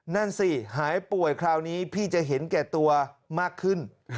นั่นสิหายป่วยคราวนี้พี่จะเห็นแก่ตัวมากขึ้น